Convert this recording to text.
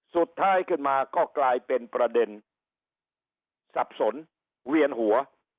สุดท้ายขึ้นมาก็กลายเป็นประเด็นสับสนเวียนหัว